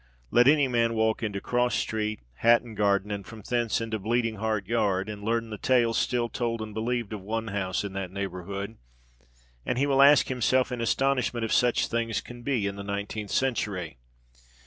Let any man walk into Cross Street, Hatton Garden, and from thence into Bleeding heart Yard, and learn the tales still told and believed of one house in that neighbourhood, and he will ask himself in astonishment if such things can be in the nineteenth century.